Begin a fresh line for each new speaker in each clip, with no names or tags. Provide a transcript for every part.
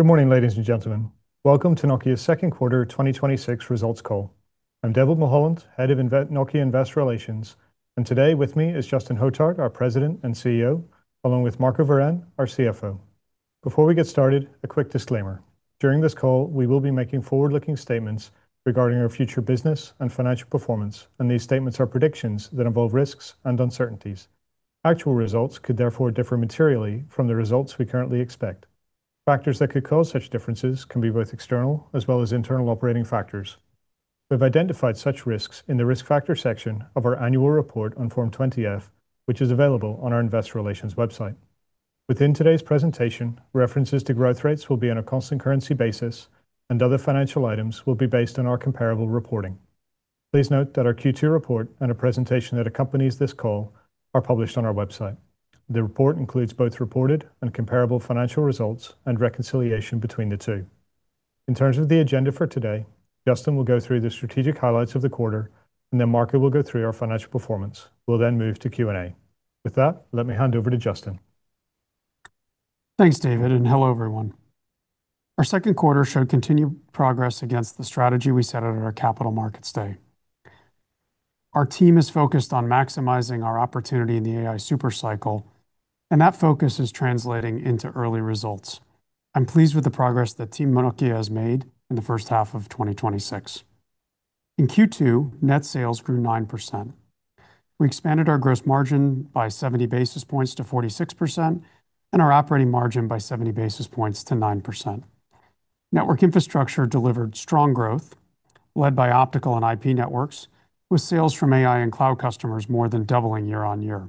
Good morning, ladies and gentlemen. Welcome to Nokia's second quarter 2026 results call. I am David Mulholland, Head of Nokia Investor Relations, and today with me is Justin Hotard, our President and CEO, along with Marco Wirén, our CFO. Before we get started, a quick disclaimer. During this call, we will be making forward-looking statements regarding our future business and financial performance, and these statements are predictions that involve risks and uncertainties. Actual results could therefore differ materially from the results we currently expect. Factors that could cause such differences can be both external as well as internal operating factors. We have identified such risks in the risk factor section of our annual report on Form 20-F, which is available on our investor relations website. Within today's presentation, references to growth rates will be on a constant currency basis and other financial items will be based on our comparable reporting. Please note that our Q2 report and a presentation that accompanies this call are published on our website. The report includes both reported and comparable financial results and reconciliation between the two. In terms of the agenda for today, Justin will go through the strategic highlights of the quarter, and Marco will go through our financial performance. We will then move to Q&A. With that, let me hand over to Justin.
Thanks, David, and hello, everyone. Our second quarter showed continued progress against the strategy we set out at our Capital Markets Day. Our team is focused on maximizing our opportunity in the AI super cycle, and that focus is translating into early results. I am pleased with the progress that Team Nokia has made in the first half of 2026. In Q2, net sales grew 9%. We expanded our gross margin by 70 basis points to 46%, and our operating margin by 70 basis points to 9%. Network Infrastructure delivered strong growth, led by Optical and IP Networks, with sales from AI & Cloud customers more than doubling year-on-year.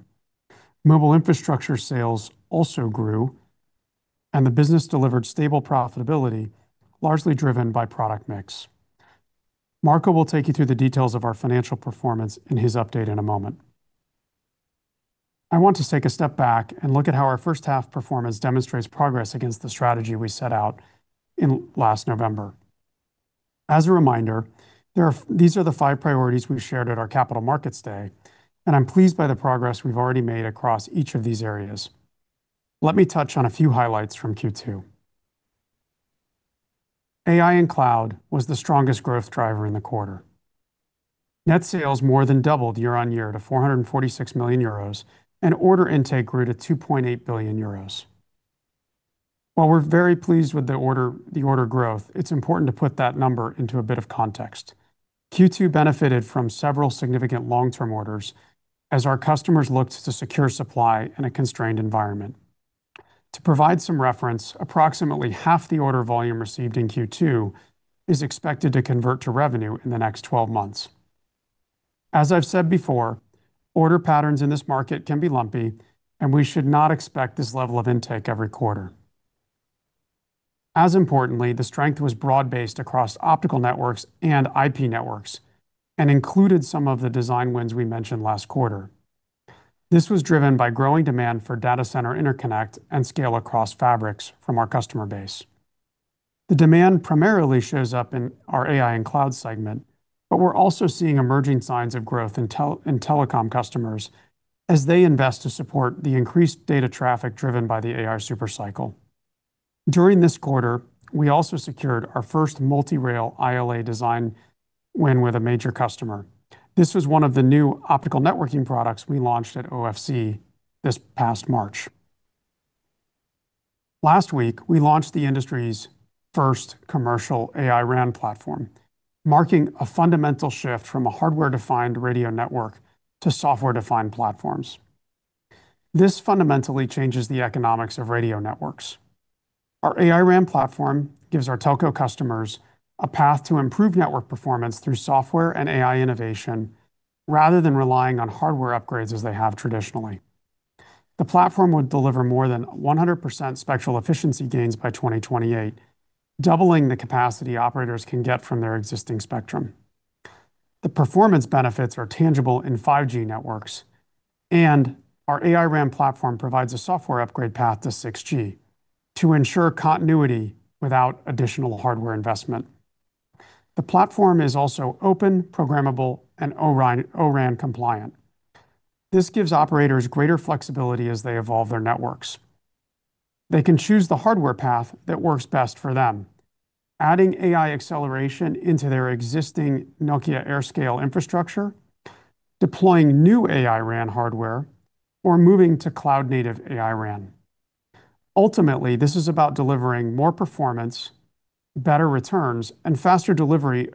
Mobile Infrastructure sales also grew, and the business delivered stable profitability, largely driven by product mix. Marco will take you through the details of our financial performance in his update in a moment. I want to take a step back and look at how our first half performance demonstrates progress against the strategy we set out in last November. As a reminder, these are the five priorities we have shared at our Capital Markets Day, and I am pleased by the progress we have already made across each of these areas. Let me touch on a few highlights from Q2. AI & Cloud was the strongest growth driver in the quarter. Net sales more than doubled year-on-year to 446 million euros and order intake grew to 2.8 billion euros. While we are very pleased with the order growth, it is important to put that number into a bit of context. Q2 benefited from several significant long-term orders as our customers looked to secure supply in a constrained environment. To provide some reference, approximately half the order volume received in Q2 is expected to convert to revenue in the next 12 months. As I've said before, order patterns in this market can be lumpy, and we should not expect this level of intake every quarter. As importantly, the strength was broad-based across Optical Networks and IP Networks and included some of the design wins we mentioned last quarter. This was driven by growing demand for data center interconnect and scale-out fabrics from our customer base. The demand primarily shows up in our AI & Cloud segment, but we're also seeing emerging signs of growth in telecom customers as they invest to support the increased data traffic driven by the AI super cycle. During this quarter, we also secured our first multi-rail ILA design win with a major customer. This was one of the new optical networking products we launched at OFC this past March. Last week, we launched the industry's first commercial AI-RAN platform, marking a fundamental shift from a hardware-defined radio network to software-defined platforms. This fundamentally changes the economics of radio networks. Our AI-RAN platform gives our telco customers a path to improve network performance through software and AI innovation, rather than relying on hardware upgrades as they have traditionally. The platform would deliver more than 100% spectral efficiency gains by 2028, doubling the capacity operators can get from their existing spectrum. The performance benefits are tangible in 5G networks, and our AI-RAN platform provides a software upgrade path to 6G to ensure continuity without additional hardware investment. The platform is also open, programmable and O-RAN compliant. This gives operators greater flexibility as they evolve their networks. They can choose the hardware path that works best for them, adding AI acceleration into their existing Nokia AirScale infrastructure, deploying new AI-RAN hardware, or moving to cloud-native AI-RAN. Ultimately, this is about delivering more performance, better returns, and faster delivery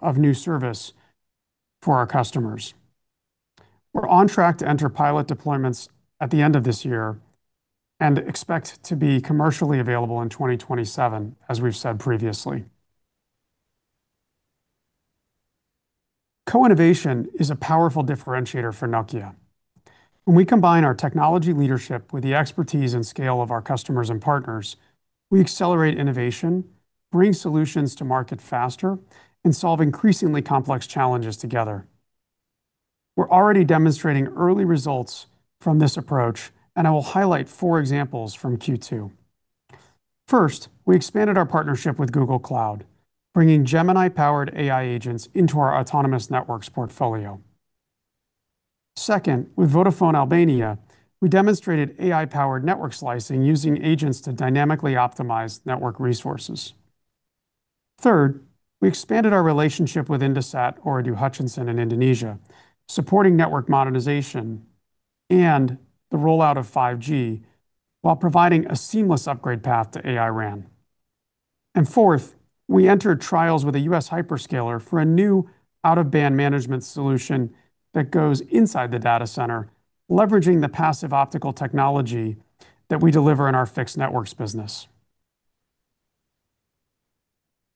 of new service for our customers. We're on track to enter pilot deployments at the end of this year and expect to be commercially available in 2027, as we've said previously. Co-innovation is a powerful differentiator for Nokia. When we combine our technology leadership with the expertise and scale of our customers and partners, we accelerate innovation, bring solutions to market faster, and solve increasingly complex challenges together. We're already demonstrating early results from this approach, and I will highlight four examples from Q2. First, we expanded our partnership with Google Cloud, bringing Gemini-powered AI agents into our autonomous networks portfolio. Second, with Vodafone Albania, we demonstrated AI-powered network slicing using agents to dynamically optimize network resources. Third, we expanded our relationship with Indosat Ooredoo Hutchison in Indonesia, supporting network modernization and the rollout of 5G, while providing a seamless upgrade path to AI-RAN. Fourth, we entered trials with a U.S. hyperscaler for a new out-of-band management solution that goes inside the data center, leveraging the passive optical technology that we deliver in our Fixed Networks business.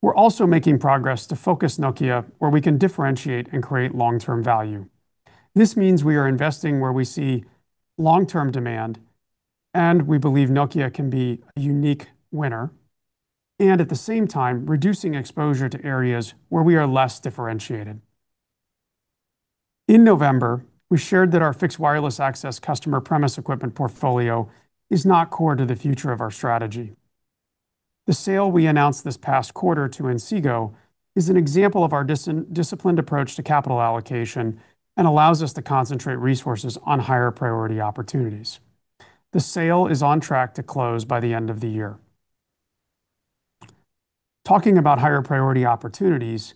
We're also making progress to focus Nokia where we can differentiate and create long-term value. This means we are investing where we see long-term demand, and we believe Nokia can be a unique winner, and at the same time, reducing exposure to areas where we are less differentiated. In November, we shared that our Fixed Wireless Access customer premise equipment portfolio is not core to the future of our strategy. The sale we announced this past quarter to Inseego is an example of our disciplined approach to capital allocation and allows us to concentrate resources on higher priority opportunities. The sale is on track to close by the end of the year. Talking about higher priority opportunities,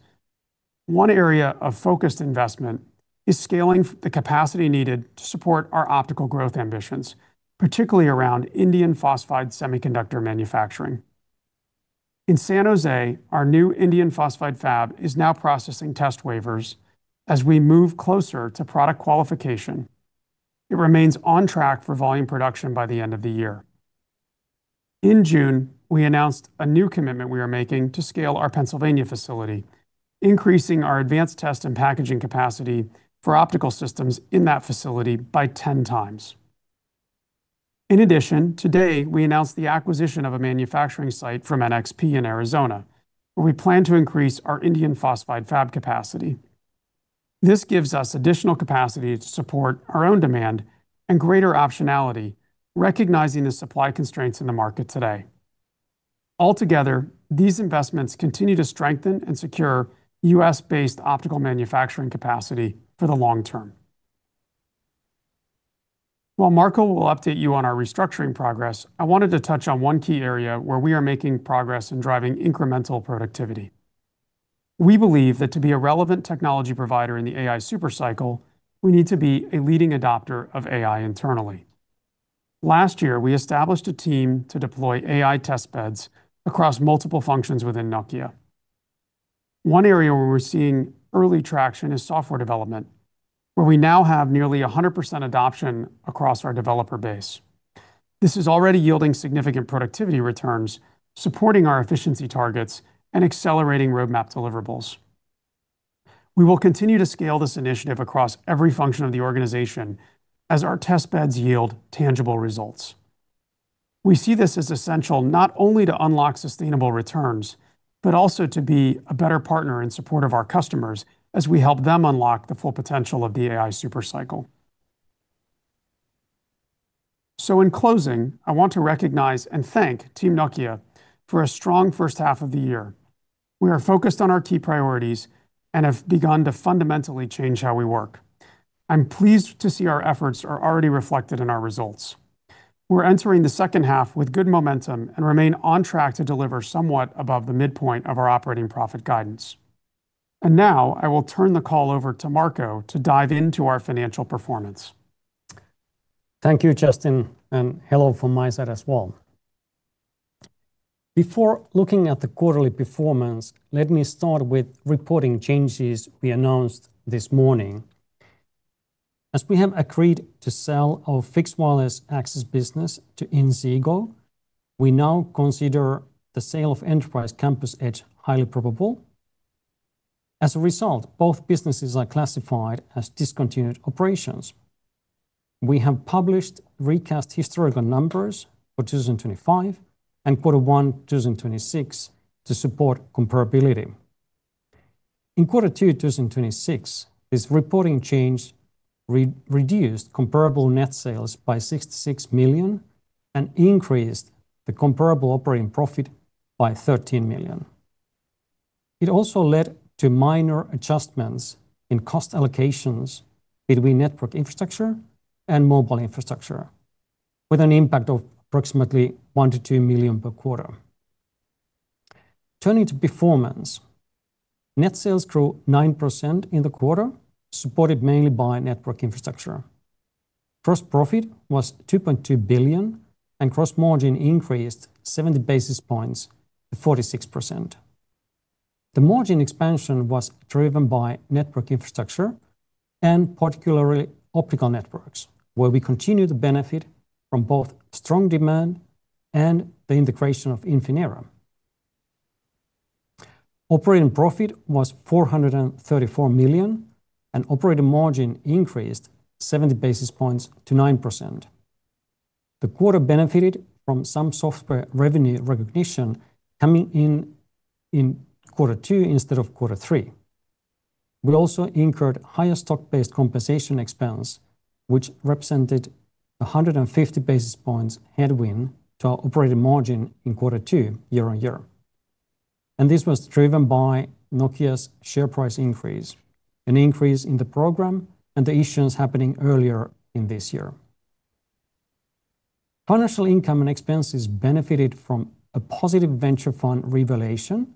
one area of focused investment is scaling the capacity needed to support our optical growth ambitions, particularly around indium phosphide semiconductor manufacturing. In San Jose, our new indium phosphide fab is now processing test wafers as we move closer to product qualification. It remains on track for volume production by the end of the year. In June, we announced a new commitment we are making to scale our Pennsylvania facility, increasing our advanced test and packaging capacity for optical systems in that facility by 10 times. Today, we announced the acquisition of a manufacturing site from NXP in Arizona, where we plan to increase our indium phosphide fab capacity. This gives us additional capacity to support our own demand and greater optionality, recognizing the supply constraints in the market today. Altogether, these investments continue to strengthen and secure U.S.-based optical manufacturing capacity for the long term. While Marco will update you on our restructuring progress, I wanted to touch on one key area where we are making progress in driving incremental productivity. We believe that to be a relevant technology provider in the AI super cycle, we need to be a leading adopter of AI internally. Last year, we established a team to deploy AI testbeds across multiple functions within Nokia. One area where we're seeing early traction is software development, where we now have nearly 100% adoption across our developer base. This is already yielding significant productivity returns, supporting our efficiency targets and accelerating roadmap deliverables. We will continue to scale this initiative across every function of the organization as our testbeds yield tangible results. We see this as essential, not only to unlock sustainable returns, but also to be a better partner in support of our customers as we help them unlock the full potential of the AI super cycle. In closing, I want to recognize and thank Team Nokia for a strong first half of the year. We are focused on our key priorities and have begun to fundamentally change how we work. I'm pleased to see our efforts are already reflected in our results. We're entering the second half with good momentum and remain on track to deliver somewhat above the midpoint of our operating profit guidance. Now, I will turn the call over to Marco to dive into our financial performance.
Thank you, Justin, and hello from my side as well. Before looking at the quarterly performance, let me start with reporting changes we announced this morning. As we have agreed to sell our Fixed Wireless Access business to Inseego, we now consider the sale of Enterprise Campus Edge highly probable. As a result, both businesses are classified as discontinued operations. We have published recast historical numbers for 2025 and Q1 2026 to support comparability. In Q2 2026, this reporting change reduced comparable net sales by 66 million and increased the comparable operating profit by 13 million. It also led to minor adjustments in cost allocations between Network Infrastructure and Mobile Infrastructure, with an impact of approximately 1 million-2 million per quarter. Turning to performance. Net sales grew 9% in the quarter, supported mainly by Network Infrastructure. Gross profit was 2.2 billion, and gross margin increased 70 basis points to 46%. The margin expansion was driven by Network Infrastructure and particularly Optical Networks, where we continue to benefit from both strong demand and the integration of Infinera. Operating profit was 434 million, and operating margin increased 70 basis points to 9%. The quarter benefited from some software revenue recognition coming in in Q2 instead of Q3. We also incurred higher stock-based compensation expense, which represented 150 basis points headwind to our operating margin in Q2 year-on-year. This was driven by Nokia's share price increase, an increase in the program, and the issuance happening earlier in this year. Financial income and expenses benefited from a positive venture fund revaluation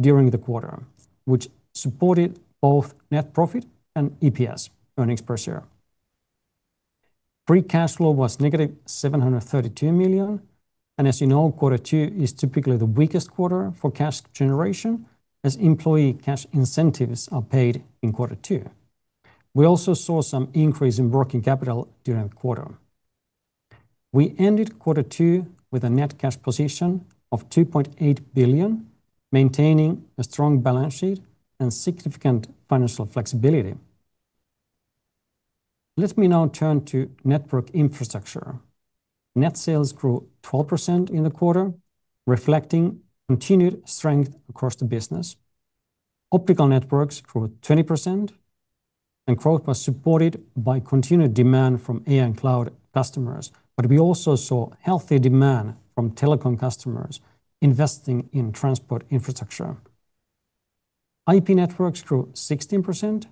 during the quarter, which supported both net profit and EPS, earnings per share. Free cash flow was negative 732 million. As you know, Q2 is typically the weakest quarter for cash generation as employee cash incentives are paid in Q2. We also saw some increase in working capital during the quarter. We ended Q2 with a net cash position of 2.8 billion, maintaining a strong balance sheet and significant financial flexibility. Let me now turn to Network Infrastructure. Net sales grew 12% in the quarter, reflecting continued strength across the business. Optical Networks grew 20%, and growth was supported by continued demand from AI & Cloud customers. We also saw healthy demand from telecom customers investing in transport infrastructure. IP Networks grew 16%.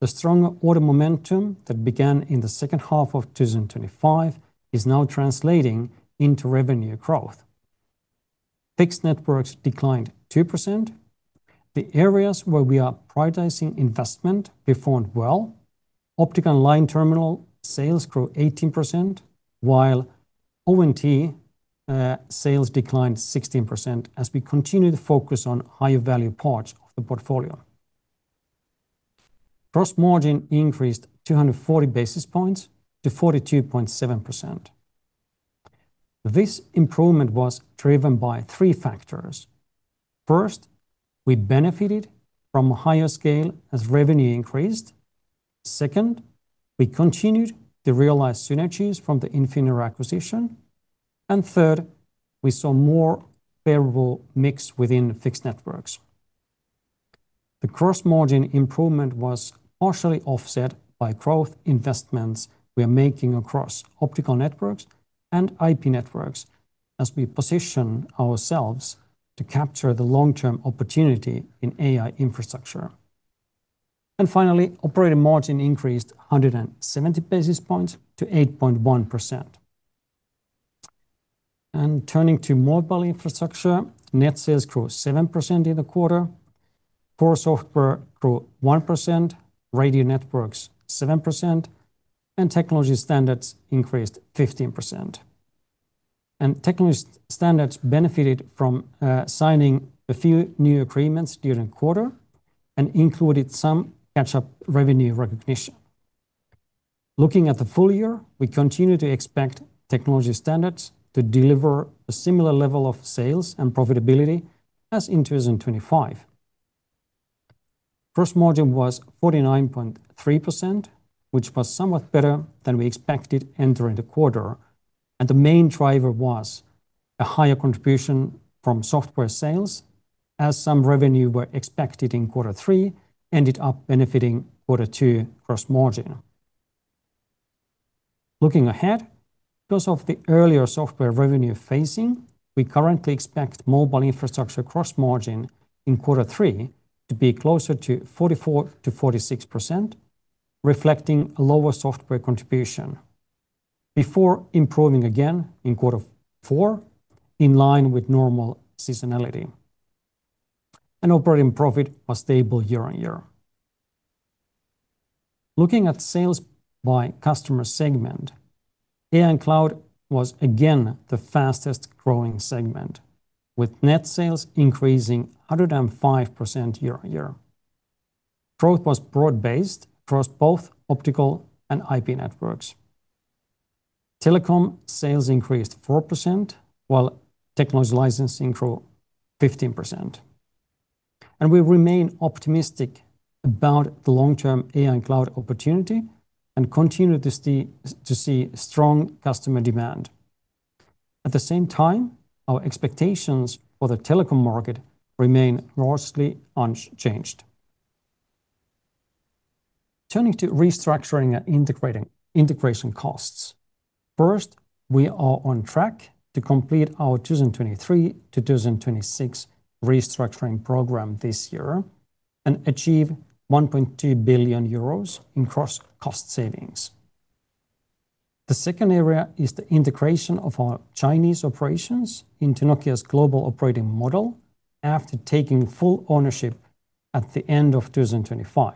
The strong order momentum that began in the second half of 2025 is now translating into revenue growth. Fixed Networks declined 2%. The areas where we are prioritizing investment performed well. Optical Line Terminal sales grew 18%, while ONT sales declined 16% as we continue to focus on higher-value parts of the portfolio. Gross margin increased 240 basis points to 42.7%. This improvement was driven by three factors. First, we benefited from higher scale as revenue increased. Second, we continued to realize synergies from the Infinera acquisition. Third, we saw more favorable mix within Fixed Networks. The gross margin improvement was partially offset by growth investments we are making across Optical Networks and IP Networks as we position ourselves to capture the long-term opportunity in AI infrastructure. Finally, operating margin increased 170 basis points to 8.1%. Turning to Mobile Infrastructure, net sales grew 7% in the quarter. Core software grew 1%, radio networks 7%, and technology standards increased 15%. Technology standards benefited from signing a few new agreements during the quarter and included some catch-up revenue recognition. Looking at the full year, we continue to expect technology standards to deliver a similar level of sales and profitability as in 2025. Gross margin was 49.3%, which was somewhat better than we expected entering the quarter. The main driver was a higher contribution from software sales as some revenue were expected in Q3 ended up benefiting Q2 gross margin. Looking ahead, because of the earlier software revenue phasing, we currently expect Mobile Infrastructure gross margin in Q3 to be closer to 44%-46%, reflecting a lower software contribution. Before improving again in Q4, in line with normal seasonality. Operating profit was stable year-on-year. Looking at sales by customer segment, AI & Cloud was again the fastest-growing segment, with net sales increasing 105% year-on-year. Growth was broad-based across both Optical Networks and IP Networks. Telecom sales increased 4%, while technology licensing grew 15%. We remain optimistic about the long-term AI & Cloud opportunity and continue to see strong customer demand. At the same time, our expectations for the telecom market remain largely unchanged. Turning to restructuring and integration costs. First, we are on track to complete our 2023-2026 restructuring program this year and achieve 1.2 billion euros in gross cost savings. The second area is the integration of our Chinese operations into Nokia's global operating model after taking full ownership at the end of 2025.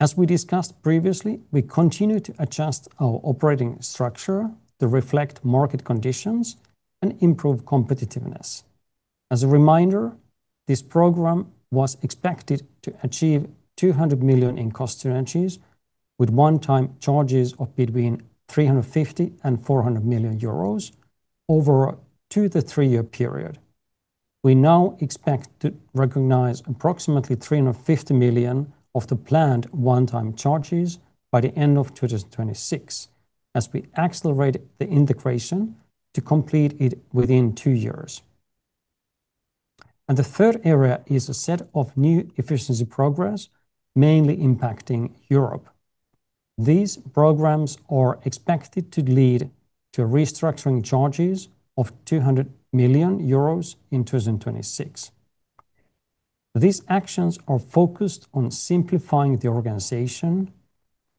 As we discussed previously, we continue to adjust our operating structure to reflect market conditions and improve competitiveness. As a reminder, this program was expected to achieve 200 million in cost synergies with one-time charges of between 350 million and 400 million euros over a two- to three-year period. We now expect to recognize approximately 350 million of the planned one-time charges by the end of 2026 as we accelerate the integration to complete it within two years. The third area is a set of new efficiency progress, mainly impacting Europe. These programs are expected to lead to restructuring charges of 200 million euros in 2026. These actions are focused on simplifying the organization,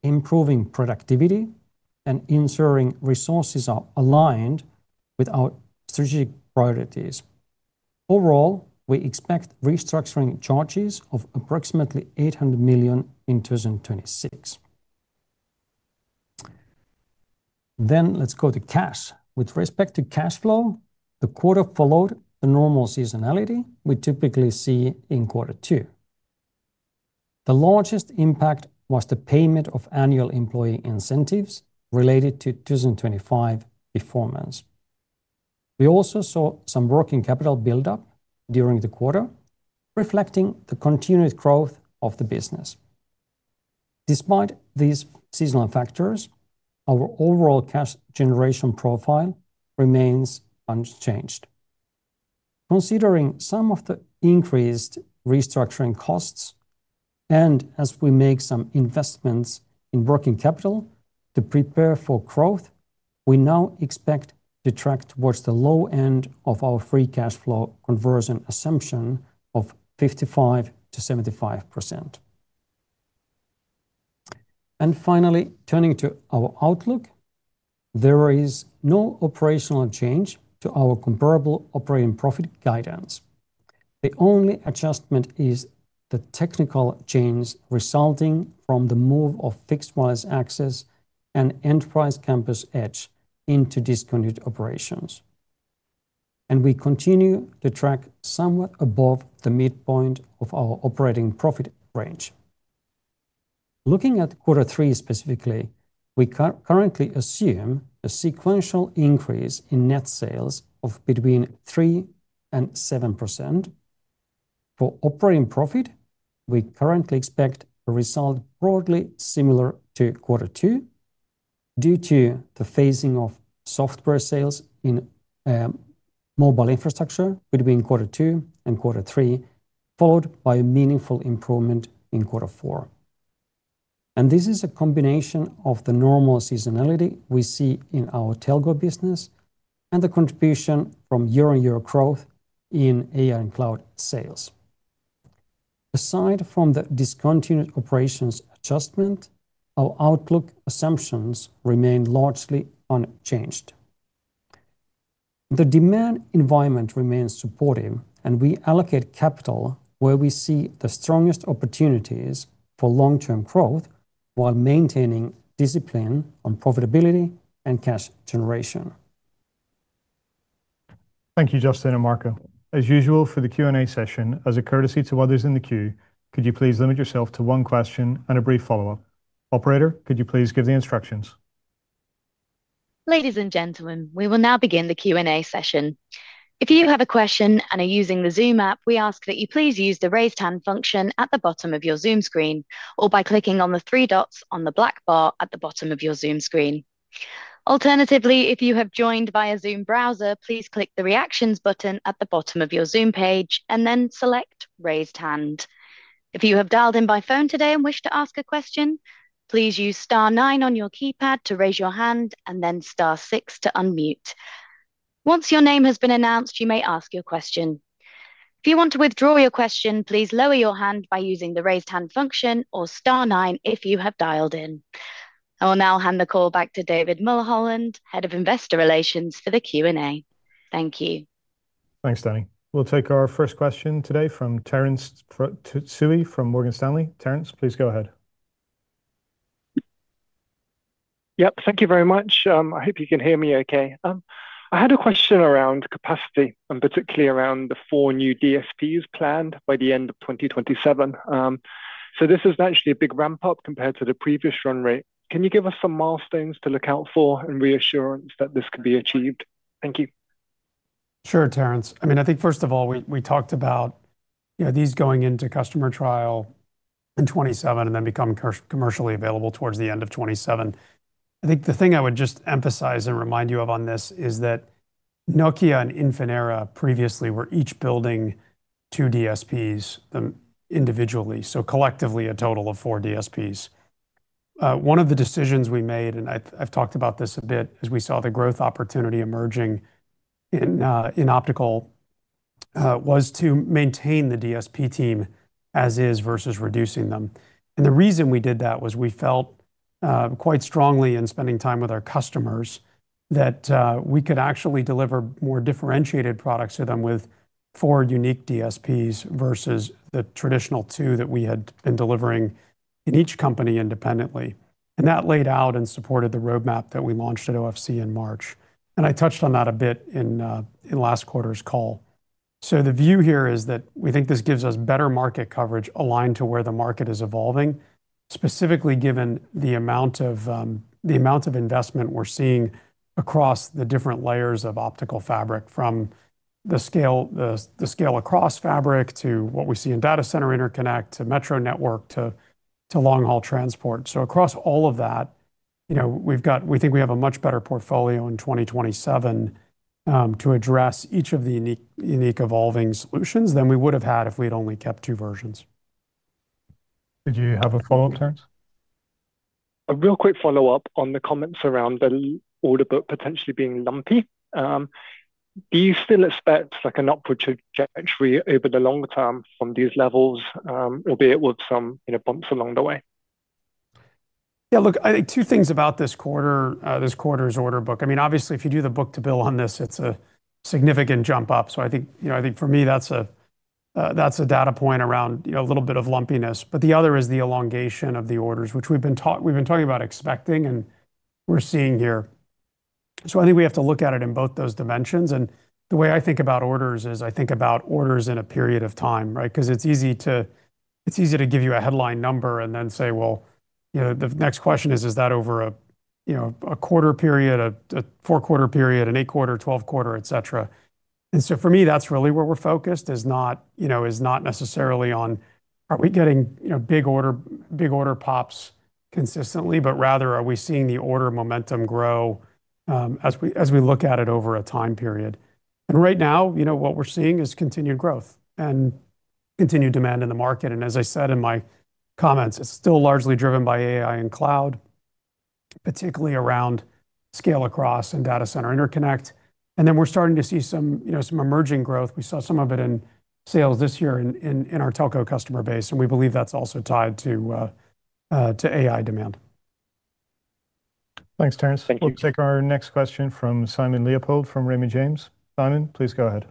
improving productivity, and ensuring resources are aligned with our strategic priorities. Overall, we expect restructuring charges of approximately 800 million in 2026. Let's go to cash. With respect to cash flow, the quarter followed the normal seasonality we typically see in quarter two. The largest impact was the payment of annual employee incentives related to 2025 performance. We also saw some working capital buildup during the quarter, reflecting the continued growth of the business. Despite these seasonal factors, our overall cash generation profile remains unchanged. Considering some of the increased restructuring costs, and as we make some investments in working capital to prepare for growth, we now expect to track towards the low end of our free cash flow conversion assumption of 55%-75%. Finally, turning to our outlook, there is no operational change to our comparable operating profit guidance. The only adjustment is the technical change resulting from the move of Fixed Wireless Access and Enterprise Campus Edge into discontinued operations. We continue to track somewhat above the midpoint of our operating profit range. Looking at quarter three specifically, we currently assume a sequential increase in net sales of between 3% and 7%. For operating profit, we currently expect a result broadly similar to quarter 2 due to the phasing of software sales in Mobile Infrastructure between quarter 2 and quarter 3, followed by a meaningful improvement in quarter 4. This is a combination of the normal seasonality we see in our telco business and the contribution from year-on-year growth in AI & Cloud sales. Aside from the discontinued operations adjustment, our outlook assumptions remain largely unchanged. The demand environment remains supportive, and we allocate capital where we see the strongest opportunities for long-term growth while maintaining discipline on profitability and cash generation.
Thank you, Justin and Marco. As usual, for the Q&A session, as a courtesy to others in the queue, could you please limit yourself to one question and a brief follow-up? Operator, could you please give the instructions?
Ladies and gentlemen, we will now begin the Q&A session. If you have a question and are using the Zoom app, we ask that you please use the raise hand function at the bottom of your Zoom screen or by clicking on the three dots on the black bar at the bottom of your Zoom screen. Alternatively, if you have joined via Zoom browser, please click the reactions button at the bottom of your Zoom page and then select raised hand. If you have dialed in by phone today and wish to ask a question, please use star nine on your keypad to raise your hand and then star six to unmute. Once your name has been announced, you may ask your question. If you want to withdraw your question, please lower your hand by using the raise hand function or star nine if you have dialed in. I will now hand the call back to David Mulholland, Head of Investor Relations for the Q&A. Thank you.
Thanks, Dani. We'll take our first question today from Terence Tsui from Morgan Stanley. Terence, please go ahead.
Yep. Thank you very much. I hope you can hear me okay. I had a question around capacity and particularly around the four new DSPs planned by the end of 2027. This is actually a big ramp-up compared to the previous run rate. Can you give us some milestones to look out for and reassurance that this can be achieved? Thank you.
Sure, Terence. I think first of all, we talked about these going into customer trial in 2027 and then becoming commercially available towards the end of 2027. I think the thing I would just emphasize and remind you of on this is that Nokia and Infinera previously were each building two DSPs individually, so collectively a total of four DSPs. One of the decisions we made, and I've talked about this a bit as we saw the growth opportunity emerging in optical, was to maintain the DSP team as is versus reducing them. The reason we did that was we felt quite strongly in spending time with our customers that we could actually deliver more differentiated products to them with four unique DSPs versus the traditional two that we had been delivering in each company independently. That laid out and supported the roadmap that we launched at OFC in March. I touched on that a bit in last quarter's call. The view here is that we think this gives us better market coverage aligned to where the market is evolving, specifically given the amount of investment we're seeing across the different layers of optical fabric, from the scale across fabric to what we see in data center interconnect, to metro network, to long-haul transport. Across all of that We think we have a much better portfolio in 2027 to address each of the unique evolving solutions than we would have had if we'd only kept two versions.
Did you have a follow-up, Terence?
A real quick follow-up on the comments around the order book potentially being lumpy. Do you still expect an upward trajectory over the long term from these levels, albeit with some bumps along the way?
Yeah, look, I think two things about this quarter's order book. Obviously, if you do the book-to-bill on this, it's a significant jump up. I think for me, that's a data point around a little bit of lumpiness. The other is the elongation of the orders, which we've been talking about expecting and we're seeing here. I think we have to look at it in both those dimensions. The way I think about orders is I think about orders in a period of time, right? Because it's easy to give you a headline number and then say, well, the next question is that over a quarter period, a four-quarter period, an eight-quarter, 12-quarter, et cetera? For me, that's really where we're focused, is not necessarily on are we getting big order pops consistently, but rather are we seeing the order momentum grow as we look at it over a time period. Right now, what we're seeing is continued growth and continued demand in the market. As I said in my comments, it's still largely driven by AI & Cloud, particularly around scale-out and data center interconnect. Then we're starting to see some emerging growth. We saw some of it in sales this year in our telco customer base, and we believe that's also tied to AI demand.
Thanks, Terence.
Thank you.
We'll take our next question from Simon Leopold from Raymond James. Simon, please go ahead.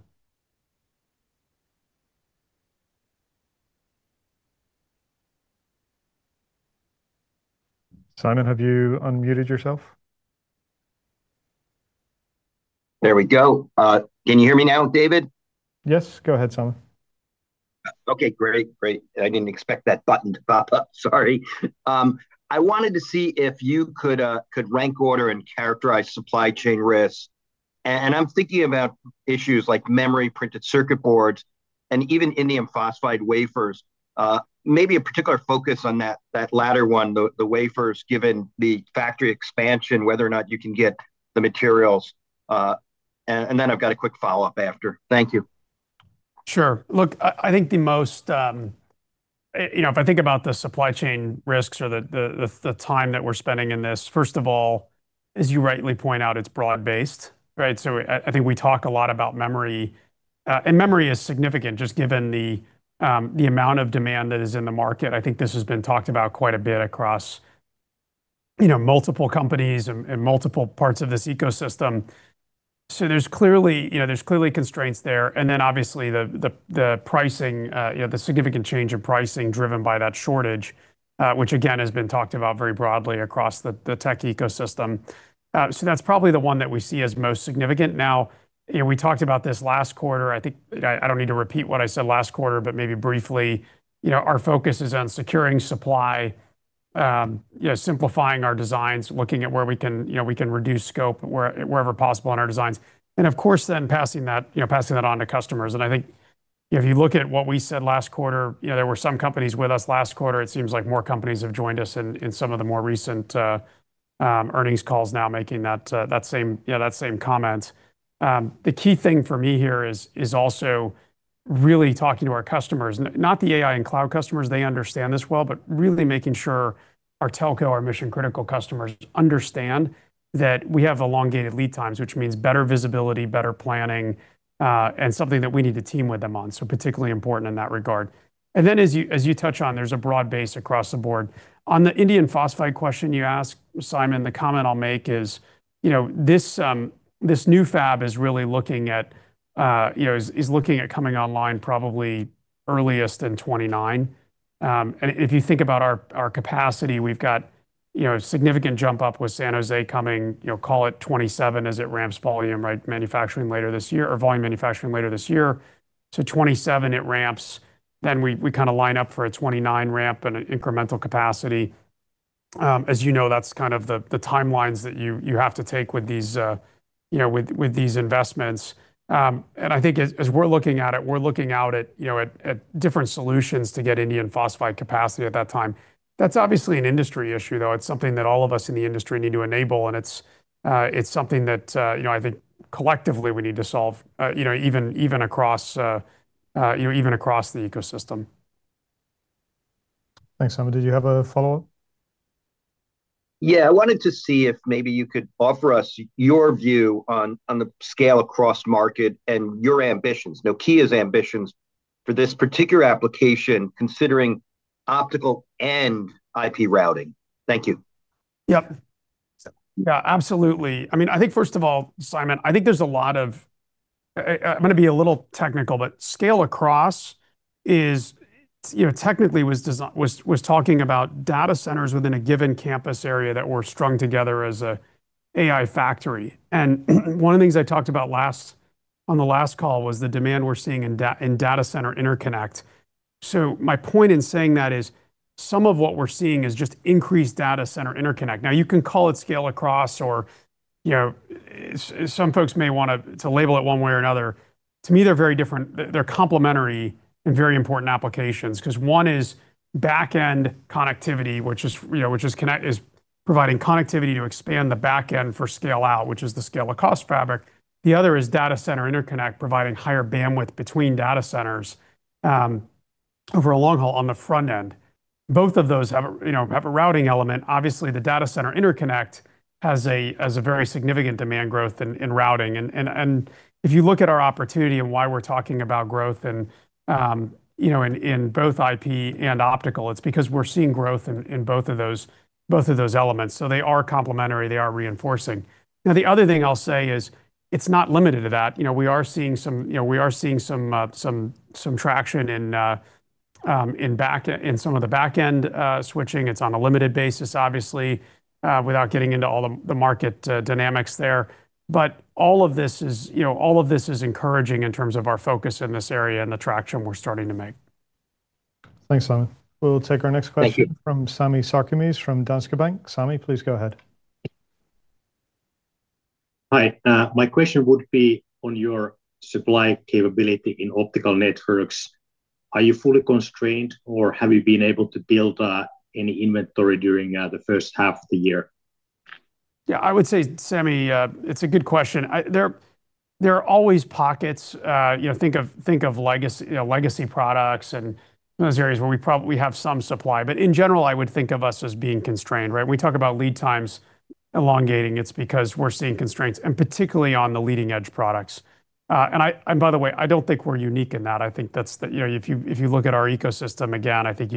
Simon, have you unmuted yourself?
There we go. Can you hear me now, David?
Yes, go ahead, Simon.
Okay, great. I didn't expect that button to pop up, sorry. I wanted to see if you could rank order and characterize supply chain risks. I'm thinking about issues like memory, printed circuit boards, and even indium phosphide wafers. Maybe a particular focus on that latter one, the wafers, given the factory expansion, whether or not you can get the materials. Then I've got a quick follow-up after. Thank you.
Sure. Look, if I think about the supply chain risks or the time that we're spending in this, first of all, as you rightly point out, it's broad-based, right? I think we talk a lot about memory, and memory is significant just given the amount of demand that is in the market. I think this has been talked about quite a bit across multiple companies and multiple parts of this ecosystem. There's clearly constraints there. Then obviously the significant change in pricing driven by that shortage, which again, has been talked about very broadly across the tech ecosystem. That's probably the one that we see as most significant. Now, we talked about this last quarter. I think I don't need to repeat what I said last quarter, but maybe briefly, our focus is on securing supply, simplifying our designs, looking at where we can reduce scope wherever possible on our designs. Of course then, passing that on to customers. I think if you look at what we said last quarter, there were some companies with us last quarter. It seems like more companies have joined us in some of the more recent earnings calls now making that same comment. The key thing for me here is also really talking to our customers. Not the AI & Cloud customers, they understand this well, but really making sure our telco, our mission-critical customers understand that we have elongated lead times, which means better visibility, better planning, and something that we need to team with them on. Particularly important in that regard. As you touch on, there's a broad base across the board. On the indium phosphide question you asked, Simon, the comment I'll make is this new fab is looking at coming online probably earliest in 2029. If you think about our capacity, we've got a significant jump up with San Jose coming, call it 2027 as it ramps volume manufacturing later this year. 2027 it ramps, then we kind of line up for a 2029 ramp and an incremental capacity. As you know, that's kind of the timelines that you have to take with these investments. I think as we're looking at it, we're looking out at different solutions to get indium phosphide capacity at that time. That's obviously an industry issue, though. It's something that all of us in the industry need to enable. It's something that I think collectively we need to solve even across the ecosystem.
Thanks, Simon. Did you have a follow-up?
Yeah. I wanted to see if maybe you could offer us your view on the scale across market and your ambitions, Nokia's ambitions for this particular application considering optical and IP routing. Thank you.
Yep. Yeah, absolutely. I think first of all, Simon, I am going to be a little technical, but scale across technically was talking about data centers within a given campus area that were strung together as an AI factory. One of the things I talked about on the last call was the demand we are seeing in data center interconnect. My point in saying that is some of what we are seeing is just increased data center interconnect. Now you can call it scale across. Some folks may want to label it one way or another. To me, they are very different. They are complementary and very important applications, because one is back-end connectivity, which is providing connectivity to expand the back end for scale-out, which is the scale-out fabric. The other is data center interconnect, providing higher bandwidth between data centers over a long haul on the front end. Both of those have a routing element. Obviously, the data center interconnect has a very significant demand growth in routing. If you look at our opportunity and why we are talking about growth in both IP and Optical, it is because we are seeing growth in both of those elements. They are complementary, they are reinforcing. Now, the other thing I will say is, it is not limited to that. We are seeing some traction in some of the back-end switching. It is on a limited basis, obviously, without getting into all the market dynamics there. All of this is encouraging in terms of our focus in this area and the traction we are starting to make.
Thanks, Simon. We will take our next question.
Thank you.
From Sami Sarkamies, from Danske Bank. Sami, please go ahead.
Hi. My question would be on your supply capability in optical networks. Are you fully constrained, or have you been able to build any inventory during the first half of the year?
Yeah, I would say, Sami, it's a good question. There are always pockets. Think of legacy products and those areas where we have some supply. In general, I would think of us as being constrained, right? We talk about lead times elongating, it's because we're seeing constraints, and particularly on the leading-edge products. By the way, I don't think we're unique in that. If you look at our ecosystem, again, I think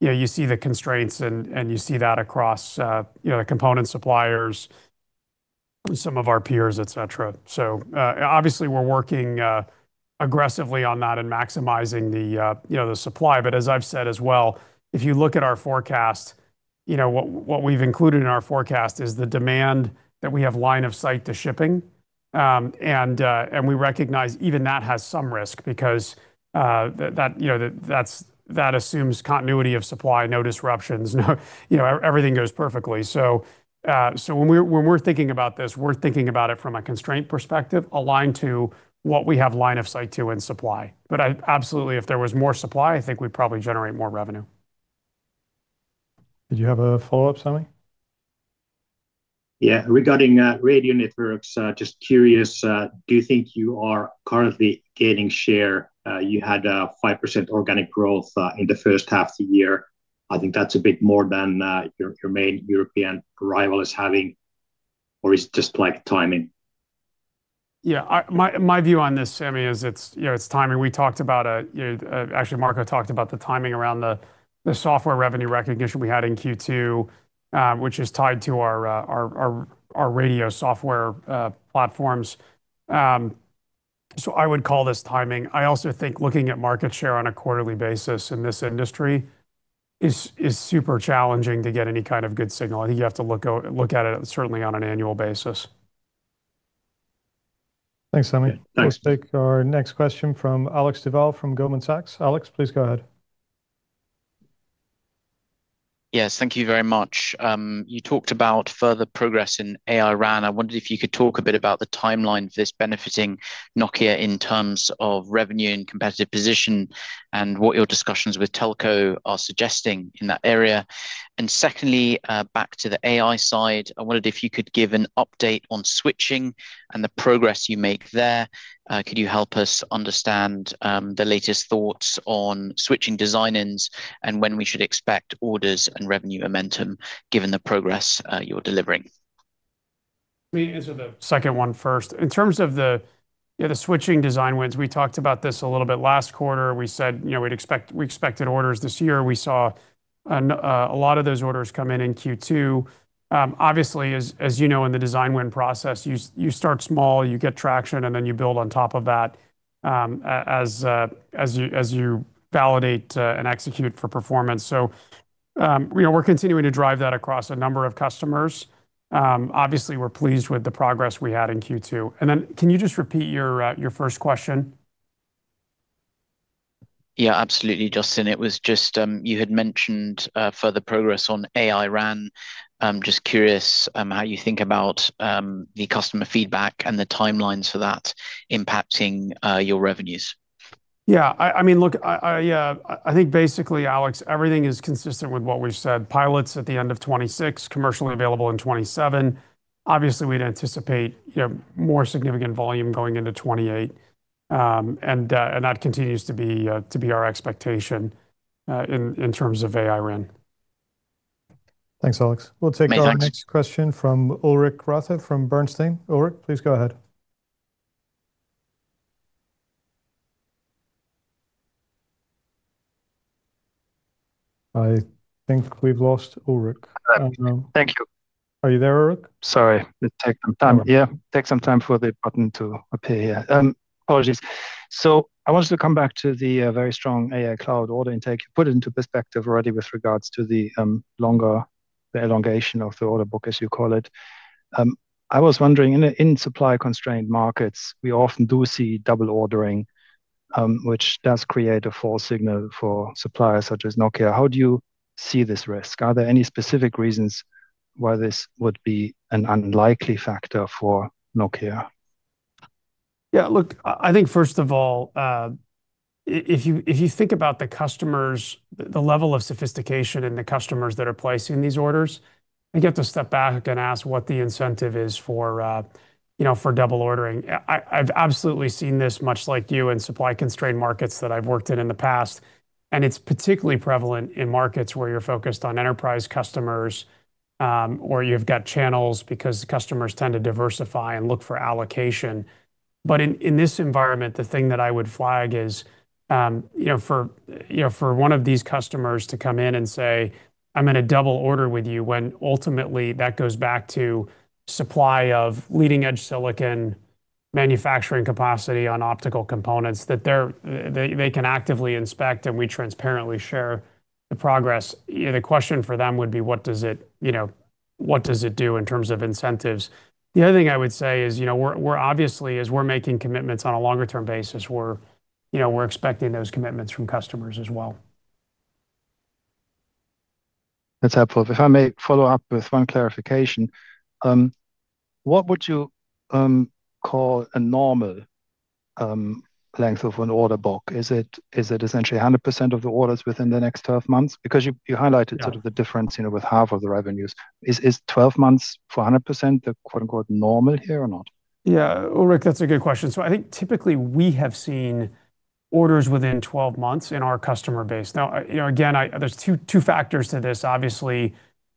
you see the constraints and you see that across the component suppliers, some of our peers, et cetera. Obviously we're working aggressively on that and maximizing the supply. As I've said as well, if you look at our forecast, what we've included in our forecast is the demand that we have line of sight to shipping. We recognize even that has some risk because that assumes continuity of supply, no disruptions, everything goes perfectly. When we're thinking about this, we're thinking about it from a constraint perspective, aligned to what we have line of sight to in supply. Absolutely, if there was more supply, I think we'd probably generate more revenue.
Did you have a follow-up, Sami?
Yeah. Regarding radio networks, just curious, do you think you are currently gaining share? You had a 5% organic growth, in the first half of the year. I think that's a bit more than your main European rival is having, or it's just timing?
Yeah. My view on this, Sami, is it's timing. Actually, Marco talked about the timing around the software revenue recognition we had in Q2, which is tied to our radio software platforms. I would call this timing. I also think looking at market share on a quarterly basis in this industry is super challenging to get any kind of good signal. I think you have to look at it certainly on an annual basis.
Thanks, Sami.
Thanks.
Let's take our next question from Alex Duval from Goldman Sachs. Alex, please go ahead.
Yes, thank you very much. You talked about further progress in AI-RAN. I wondered if you could talk a bit about the timeline for this benefiting Nokia in terms of revenue and competitive position and what your discussions with Telco are suggesting in that area. Secondly, back to the AI side, I wondered if you could give an update on switching and the progress you make there. Could you help us understand the latest thoughts on switching design-ins and when we should expect orders and revenue momentum given the progress you're delivering?
Let me answer the second one first. In terms of the switching design-wins, we talked about this a little bit last quarter. We said we expected orders this year. We saw a lot of those orders come in in Q2. Obviously, as you know, in the design-win process, you start small, you get traction, and then you build on top of that as you validate and execute for performance. We're continuing to drive that across a number of customers. Obviously, we're pleased with the progress we had in Q2. Then can you just repeat your first question?
Yeah, absolutely, Justin. It was just, you had mentioned further progress on AI-RAN. I'm just curious how you think about the customer feedback and the timelines for that impacting your revenues.
Yeah. I think basically, Alex, everything is consistent with what we've said. Pilots at the end of 2026, commercially available in 2027. Obviously, we'd anticipate more significant volume going into 2028. That continues to be our expectation in terms of AI-RAN.
Thanks, Alex.
Many thanks.
We'll take our next question from Ulrich Rathe from Bernstein. Ulrich, please go ahead. I think we've lost Ulrich. I don't know.
Thank you.
Are you there, Ulrich?
Sorry. It takes some time. Take some time for the button to appear here. Apologies. I wanted to come back to the very strong AI & Cloud order intake. You put it into perspective already with regards to the elongation of the order book, as you call it. I was wondering, in supply-constrained markets, we often do see double ordering, which does create a false signal for suppliers such as Nokia. How do you see this risk? Are there any specific reasons why this would be an unlikely factor for Nokia?
Look, I think first of all, if you think about the level of sophistication in the customers that are placing these orders, I think you have to step back and ask what the incentive is for double ordering. I've absolutely seen this, much like you, in supply-constrained markets that I've worked in in the past, and it's particularly prevalent in markets where you're focused on enterprise customers, or you've got channels because customers tend to diversify and look for allocation. In this environment, the thing that I would flag is, for one of these customers to come in and say, "I'm going to double order with you," when ultimately that goes back to supply of leading-edge silicon manufacturing capacity on optical components, that they can actively inspect and we transparently share the progress. The question for them would be, what does it do in terms of incentives? The other thing I would say is, obviously, as we're making commitments on a longer-term basis, we're expecting those commitments from customers as well.
That's helpful. If I may follow up with one clarification. What would you call a normal length of an order book? Is it essentially 100% of the orders within the next 12 months? Because you highlighted.
Yeah
sort of the difference, with half of the revenues. Is 12 months for 100% the "normal" here or not?
Yeah, Ulrich, that's a good question. I think typically we have seen orders within 12 months in our customer base. Again, there's two factors to this. Obviously,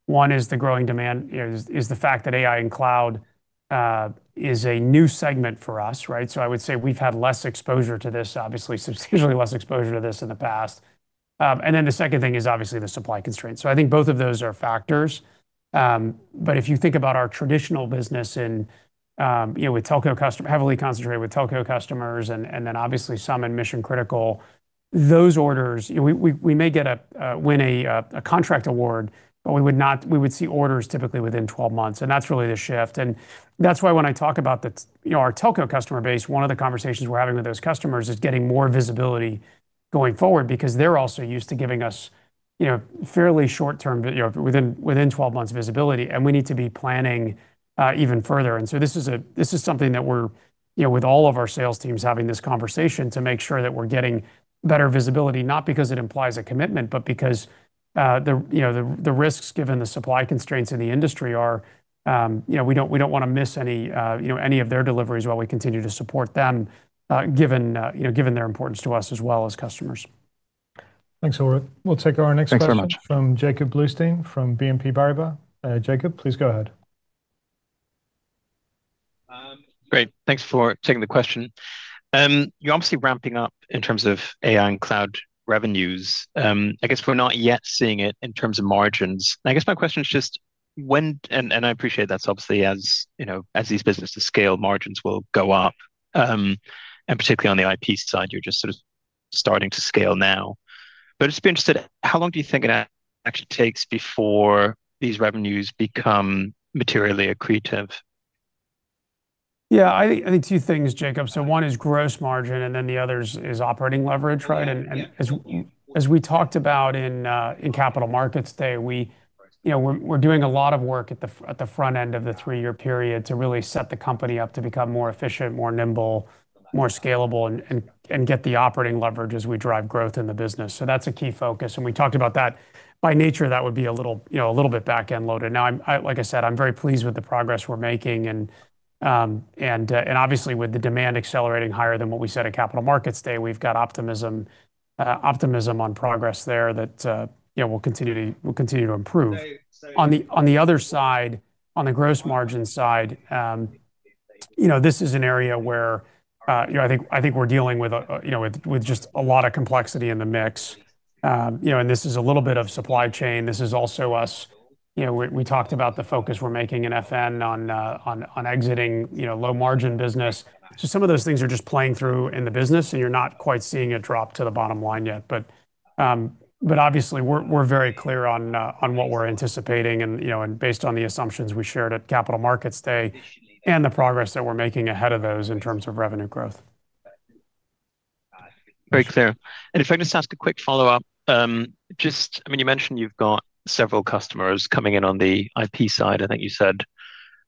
one is the growing demand, is the fact that AI & Cloud is a new segment for us, right? I would say we've had less exposure to this, obviously, substantially less exposure to this in the past. The second thing is obviously the supply constraints. I think both of those are factors. If you think about our traditional business, heavily concentrated with telco customers and then obviously some in mission-critical, those orders, we may win a contract award, but we would see orders typically within 12 months, and that's really the shift. That's why when I talk about our telco customer base, one of the conversations we're having with those customers is getting more visibility going forward, because they're also used to giving us fairly short-term, within 12 months, visibility, and we need to be planning even further. This is something that with all of our sales teams having this conversation to make sure that we're getting better visibility, not because it implies a commitment, but because the risks, given the supply constraints in the industry are, we don't want to miss any of their deliveries while we continue to support them, given their importance to us, as well as customers.
Thanks, Ulrich. We'll take our next question.
Thanks very much.
from Jakob Bluestone from BNP Paribas. Jakob, please go ahead.
Great. Thanks for taking the question. You are obviously ramping up in terms of AI & Cloud revenues. I guess we are not yet seeing it in terms of margins. I guess my question is just, I appreciate that obviously, as these businesses scale, margins will go up, and particularly on the IP side, you are just sort of starting to scale now. I would just be interested, how long do you think it actually takes before these revenues become materially accretive?
Yeah, I think two things, Jakob. One is gross margin, the other is operating leverage, right?
Yeah.
As we talked about in Capital Markets Day, we are doing a lot of work at the front end of the three-year period to really set the company up to become more efficient, more nimble, more scalable, and get the operating leverage as we drive growth in the business. That is a key focus, and we talked about that. By nature, that would be a little bit back end loaded. Like I said, I am very pleased with the progress we are making, and obviously, with the demand accelerating higher than what we said at Capital Markets Day, we have got optimism on progress there that will continue to improve. On the other side, on the gross margin side, this is an area where I think we are dealing with just a lot of complexity in the mix. This is a little bit of supply chain. This is also us, we talked about the focus we are making in FN on exiting low-margin business. Some of those things are just playing through in the business, and you are not quite seeing a drop to the bottom line yet. Obviously, we are very clear on what we are anticipating, and based on the assumptions we shared at Capital Markets Day and the progress that we are making ahead of those in terms of revenue growth.
Very clear. If I could just ask a quick follow-up. You mentioned you've got several customers coming in on the IP side, I think you said.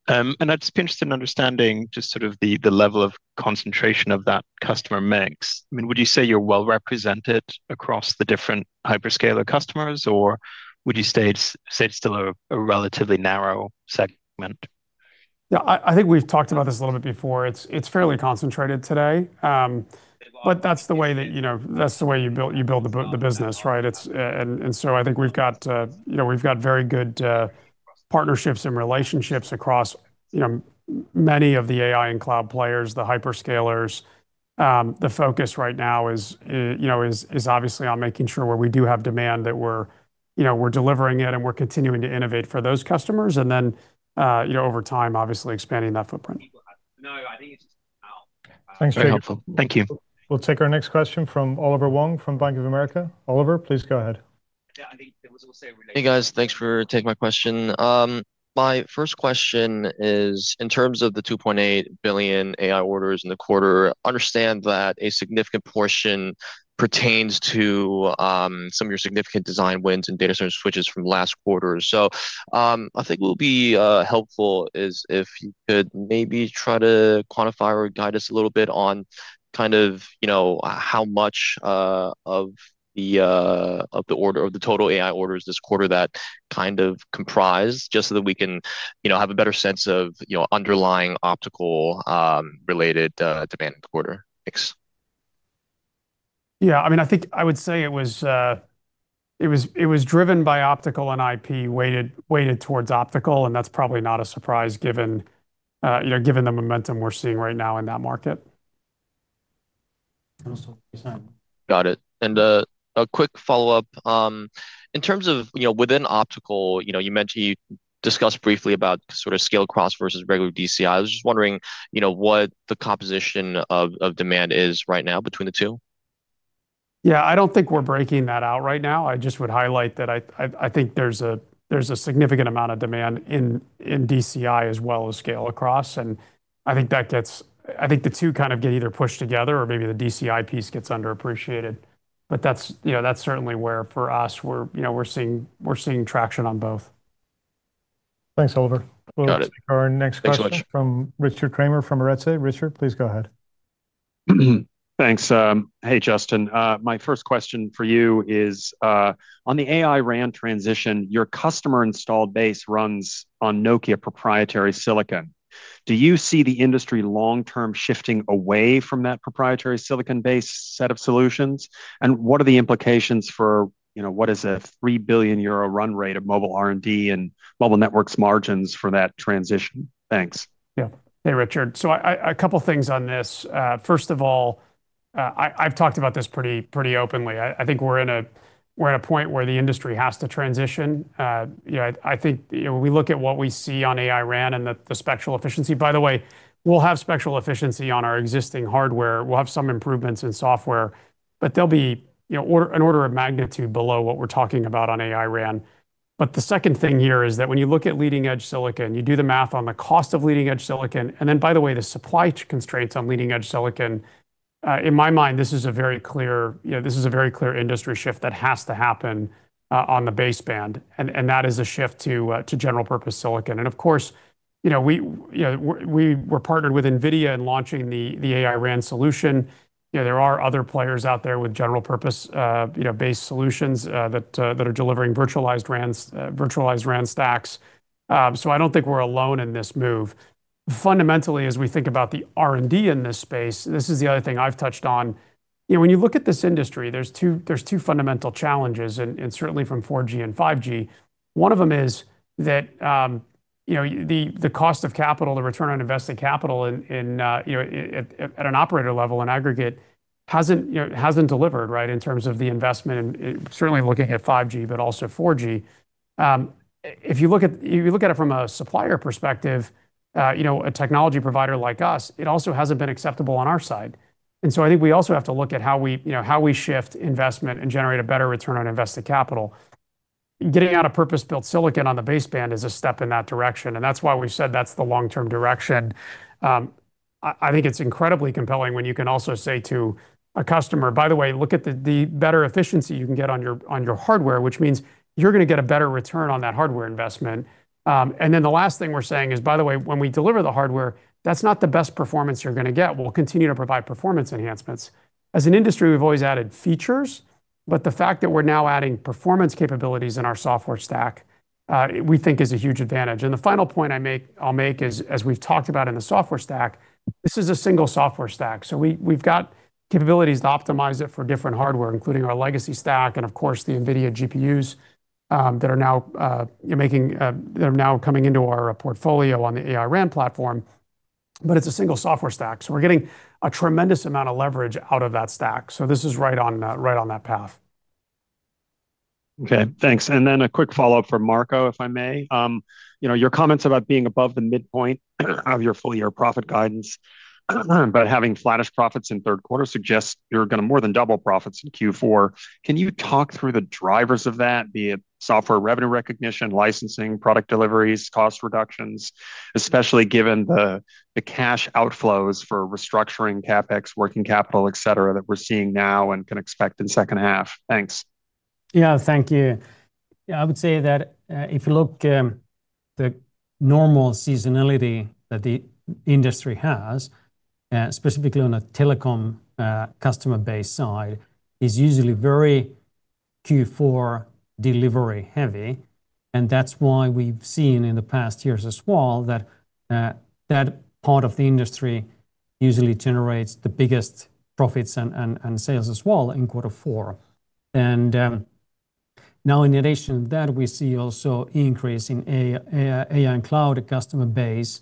I'd just be interested in understanding just sort of the level of concentration of that customer mix. Would you say you're well represented across the different hyperscaler customers, or would you say it's still a relatively narrow segment?
Yeah. I think we've talked about this a little bit before. It's fairly concentrated today. That's the way you build the business, right? I think we've got very good partnerships and relationships across many of the AI & Cloud players, the hyperscalers. The focus right now is obviously on making sure where we do have demand that we're delivering it and we're continuing to innovate for those customers, and then, over time, obviously expanding that footprint.
Very helpful. Thank you.
We'll take our next question from Oliver Wong from Bank of America. Oliver, please go ahead.
Hey guys, thanks for taking my question. My first question is, in terms of the 2.8 billion AI orders in the quarter, I understand that a significant portion pertains to some of your significant design wins and data center switches from last quarter. I think what will be helpful is if you could maybe try to quantify or guide us a little bit on how much of the total AI orders this quarter that comprised, just so that we can have a better sense of underlying optical-related demand in the quarter. Thanks.
Yeah. I think I would say it was driven by Optical and IP weighted towards Optical, and that's probably not a surprise given the momentum we're seeing right now in that market.
Also design.
Got it. A quick follow-up. In terms of within Optical, you mentioned you discussed briefly about scale-out versus regular DCI. I was just wondering what the composition of demand is right now between the two.
Yeah. I don't think we're breaking that out right now. I just would highlight that I think there's a significant amount of demand in DCI as well as scale-out, I think the two kind of get either pushed together or maybe the DCI piece gets underappreciated. That's certainly where for us, we're seeing traction on both.
Thanks, Oliver.
Got it.
We'll take our next question.
Thanks so much
From Richard Kramer from Arete. Richard, please go ahead.
Thanks. Hey, Justin. My first question for you is, on the AI-RAN transition, your customer installed base runs on Nokia proprietary silicon. Do you see the industry long-term shifting away from that proprietary silicon-based set of solutions? What are the implications for what is a 3 billion euro run rate of mobile R&D and Mobile Infrastructure margins for that transition? Thanks.
Yeah. Hey, Richard. A couple of things on this. First of all, I've talked about this pretty openly. I think we're at a point where the industry has to transition. I think we look at what we see on AI-RAN and the spectral efficiency. By the way, we'll have spectral efficiency on our existing hardware. We'll have some improvements in software, but they'll be an order of magnitude below what we're talking about on AI-RAN. The second thing here is that when you look at leading-edge silicon, you do the math on the cost of leading-edge silicon, and then, by the way, the supply constraints on leading-edge silicon, in my mind, this is a very clear industry shift that has to happen on the baseband, and that is a shift to general-purpose silicon. Of course, we're partnered with NVIDIA in launching the AI-RAN solution. I don't think we're alone in this move. Fundamentally, as we think about the R&D in this space, this is the other thing I've touched on. When you look at this industry, there's two fundamental challenges, and certainly from 4G and 5G. One of them is that the cost of capital, the return on invested capital at an operator level and aggregate hasn't delivered in terms of the investment. Certainly looking at 5G, but also 4G. If you look at it from a supplier perspective, a technology provider like us, it also hasn't been acceptable on our side. And so I think we also have to look at how we shift investment and generate a better return on invested capital. Getting out a purpose-built silicon on the baseband is a step in that direction, and that's why we've said that's the long-term direction. I think it's incredibly compelling when you can also say to a customer, "By the way, look at the better efficiency you can get on your hardware," which means you're going to get a better return on that hardware investment. The last thing we're saying is, "By the way, when we deliver the hardware, that's not the best performance you're going to get. We'll continue to provide performance enhancements." As an industry, we've always added features, but the fact that we're now adding performance capabilities in our software stack, we think is a huge advantage. And the final point I'll make is, as we've talked about in the software stack, this is a single software stack. We've got capabilities to optimize it for different hardware, including our legacy stack and of course, the NVIDIA GPUs that are now coming into our portfolio on the AI-RAN platform, but it's a single software stack. We're getting a tremendous amount of leverage out of that stack. This is right on that path.
Okay, thanks. And then a quick follow-up from Marco, if I may. Your comments about being above the midpoint of your full-year profit guidance, but having flattish profits in the third quarter suggests you're going to more than double profits in Q4. Can you talk through the drivers of that, be it software revenue recognition, licensing, product deliveries, cost reductions, especially given the cash outflows for restructuring CapEx, working capital, et cetera, that we're seeing now and can expect in the second half? Thanks.
Thank you. I would say that if you look, the normal seasonality that the industry has, specifically on a telecom customer base side, is usually very Q4 delivery heavy, and that's why we've seen in the past years as well that that part of the industry usually generates the biggest profits and sales as well in quarter four. Now in addition to that, we see also increase in AI & Cloud customer base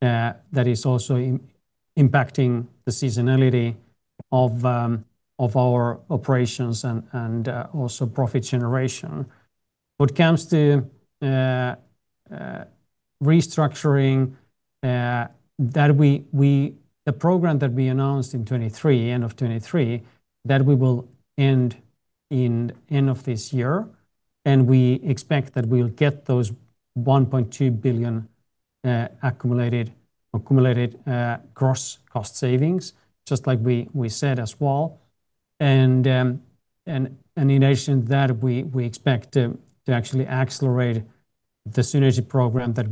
that is also impacting the seasonality of our operations and also profit generation. Restructuring. The program that we announced in end of 2023, that we will end in end of this year, and we expect that we'll get those 1.2 billion accumulated gross cost savings, just like we said as well. In addition that, we expect to actually accelerate the synergy program that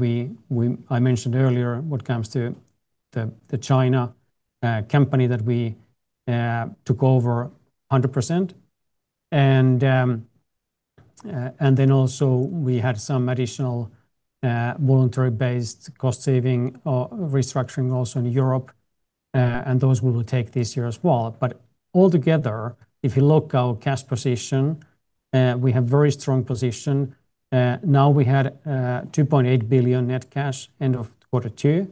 I mentioned earlier, what comes to the China company that we took over 100%. Also we had some additional voluntary-based cost saving or restructuring also in Europe, and those we will take this year as well. Altogether, if you look our cash position, we have very strong position. Now we had 2.8 billion net cash end of quarter two.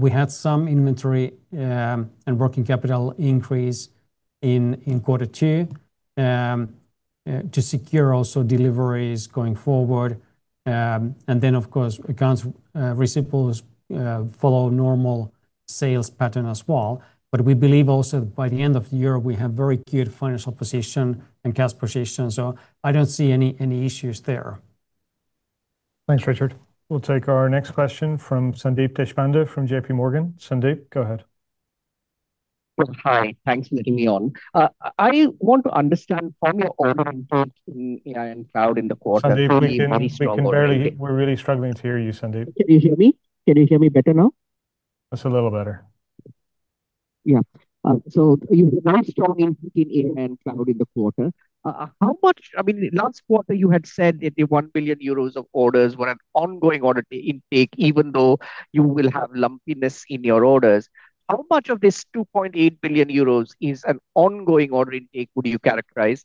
We had some inventory and working capital increase in quarter two to secure also deliveries going forward. Of course, accounts receivables follow normal sales pattern as well. We believe also by the end of the year, we have very good financial position and cash position. I don't see any issues there.
Thanks, Richard. We'll take our next question from Sandeep Deshpande from JPMorgan. Sandeep, go ahead.
Hi. Thanks for letting me on. I want to understand from your order intake in AI & Cloud in the quarter-
Sandeep, we can barely hear. We're really struggling to hear you, Sandeep.
Can you hear me? Can you hear me better now?
That's a little better.
Yeah. You had a nice, strong intake in AI & Cloud in the quarter. Last quarter you had said that the 1 billion euros of orders were an ongoing order intake, even though you will have lumpiness in your orders. How much of this 2.8 billion euros is an ongoing order intake, would you characterize?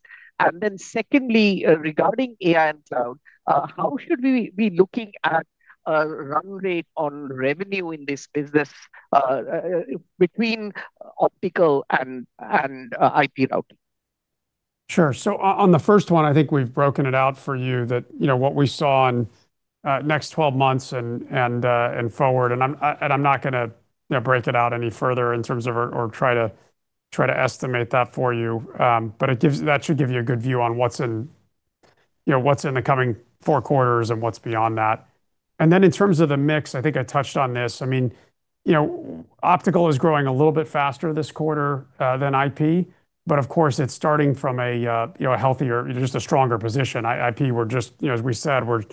Secondly, regarding AI & Cloud, how should we be looking at a run rate on revenue in this business between optical and IP routing?
Sure. On the first one, I think we've broken it out for you that what we saw on next 12 months and forward, and I'm not going to break it out any further in terms of, or try to estimate that for you. That should give you a good view on what's in the coming four quarters and what's beyond that. Then in terms of the mix, I think I touched on this. Optical is growing a little bit faster this quarter than IP, but of course it's starting from a healthier, just a stronger position. IP, as we said, we're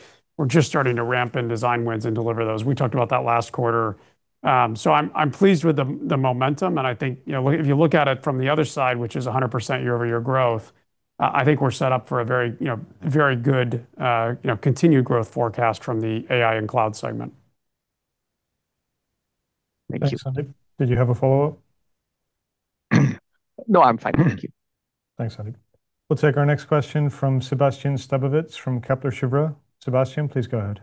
just starting to ramp in design wins and deliver those. We talked about that last quarter. I'm pleased with the momentum, and I think, if you look at it from the other side, which is 100% year-over-year growth, I think we're set up for a very good continued growth forecast from the AI & Cloud segment.
Thank you.
Thanks, Sandeep. Did you have a follow-up?
No, I'm fine. Thank you.
Thanks, Sandeep. We'll take our next question from Sébastien Sztabowicz from Kepler Cheuvreux. Sébastien, please go ahead.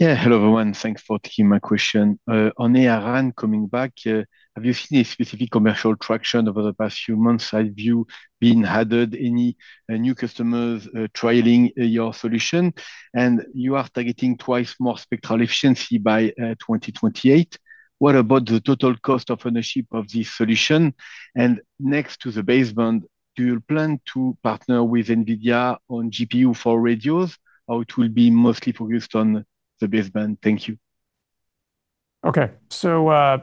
Hello, everyone. Thanks for taking my question. On AI-RAN coming back, have you seen a specific commercial traction over the past few months? Have you been added any new customers trialing your solution? You are targeting twice more spectral efficiency by 2028. What about the total cost of ownership of this solution? Next to the baseband, do you plan to partner with NVIDIA on GPU for radios, or it will be mostly focused on the baseband? Thank you.
Okay.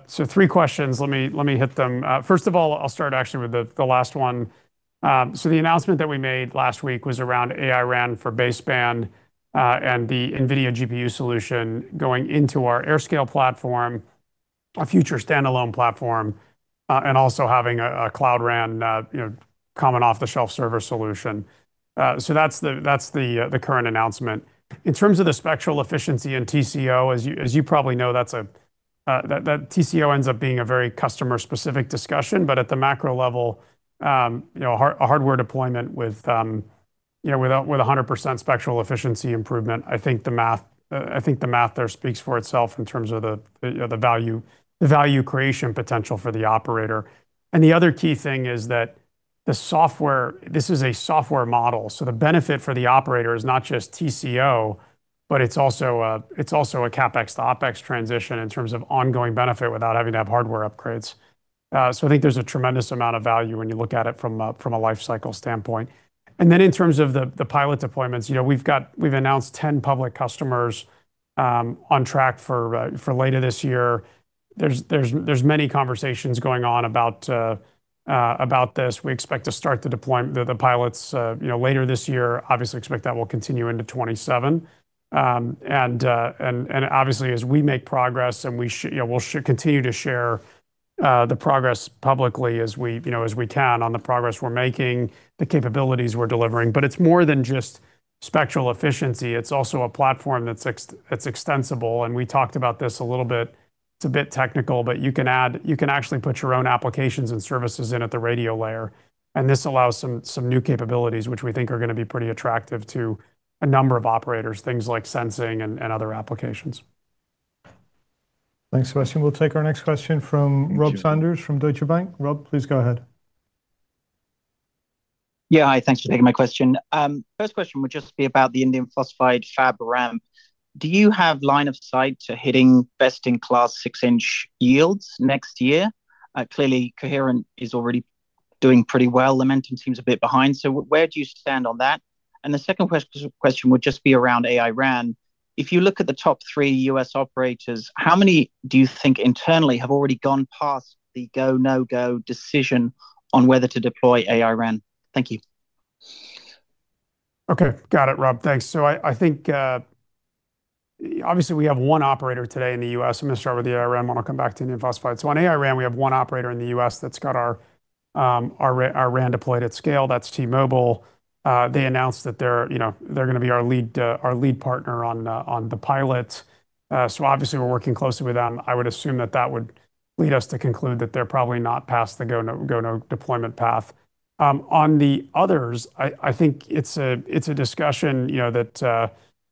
Three questions. Let me hit them. First of all, I'll start actually with the last one. The announcement that we made last week was around AI-RAN for baseband, and the NVIDIA GPU solution going into our AirScale platform, a future standalone platform, and also having a Cloud RAN common off-the-shelf server solution. That's the current announcement. In terms of the spectral efficiency and TCO, as you probably know, TCO ends up being a very customer-specific discussion. At the macro level, a hardware deployment with 100% spectral efficiency improvement, I think the math there speaks for itself in terms of the value creation potential for the operator. The other key thing is that this is a software model, so the benefit for the operator is not just TCO, but it's also a CapEx to OpEx transition in terms of ongoing benefit without having to have hardware upgrades. I think there's a tremendous amount of value when you look at it from a life cycle standpoint. Then in terms of the pilot deployments, we've announced 10 public customers on track for later this year. There's many conversations going on about this. We expect to start the pilots later this year. Obviously, expect that will continue into 2027. Obviously, as we make progress and we'll continue to share the progress publicly as we can on the progress we're making, the capabilities we're delivering. It's more than just spectral efficiency, it's also a platform that's extensible, and we talked about this a little bit. It's a bit technical, you can actually put your own applications and services in at the radio layer, this allows some new capabilities, which we think are going to be pretty attractive to a number of operators, things like sensing and other applications.
Thanks, Sébastien. We'll take our next question from Rob Sanders from Deutsche Bank. Rob, please go ahead.
Hi. Thanks for taking my question. First question would just be about the indium phosphide fab ramp. Do you have line of sight to hitting best-in-class six-inch yields next year? Clearly, Coherent is already doing pretty well. Lumentum seems a bit behind. Where do you stand on that? The second question would just be around AI-RAN. If you look at the top three U.S. operators, how many do you think internally have already gone past the go, no-go decision on whether to deploy AI-RAN? Thank you.
Okay. Got it, Rob. Thanks. I think, obviously, we have one operator today in the U.S. I'm going to start with the AI-RAN, then I'll come back to indium phosphide. On AI-RAN, we have one operator in the U.S. that's got our RAN deployed at scale. That's T-Mobile. They announced that they're going to be our lead partner on the pilot. Obviously, we're working closely with them. I would assume that that would lead us to conclude that they're probably not past the go, no, go, no deployment path. On the others, I think it's a discussion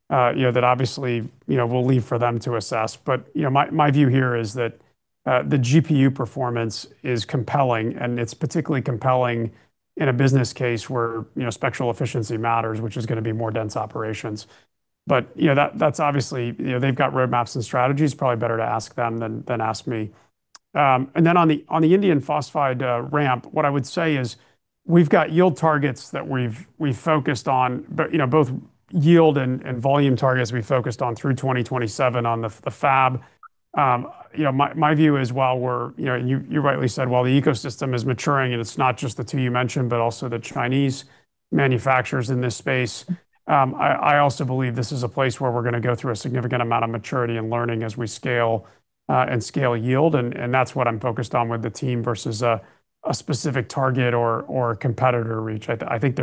that obviously we'll leave for them to assess. My view here is that the GPU performance is compelling, and it's particularly compelling in a business case where spectral efficiency matters, which is going to be more dense operations. They've got roadmaps and strategies. Probably better to ask them than ask me. On the indium phosphide ramp, what I would say is we've got yield targets that we've focused on, both yield and volume targets we've focused on through 2027 on the fab. My view is while you rightly said, while the ecosystem is maturing, and it's not just the two you mentioned, but also the Chinese manufacturers in this space. I also believe this is a place where we're going to go through a significant amount of maturity and learning as we scale and scale yield, and that's what I'm focused on with the team versus a specific target or competitor reach. I think